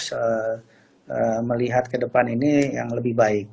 terus melihat ke depan ini yang lebih baik